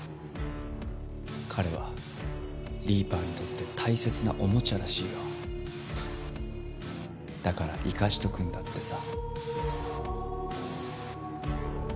彼はリーパーにとって大切なおもちゃらしいよだから生かしとくんだってさ